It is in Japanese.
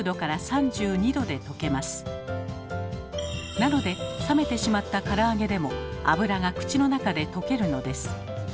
なので冷めてしまったから揚げでも脂が口の中で溶けるのです。